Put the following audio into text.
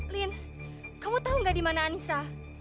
lin kamu tau gak dimana anissa